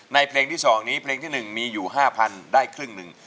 เพลงที่๒นี้เพลงที่๑มีอยู่๕๐๐๐ได้ครึ่งหนึ่ง